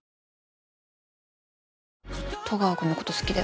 戸川君のこと好きだよね。